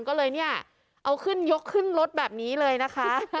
ก็เลยเนี่ยเอาขึ้นยกขึ้นรถแบบนี้เลยนะคะ